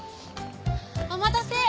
お待たせ。